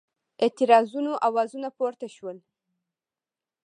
اعتراضونو آوازونه پورته شول.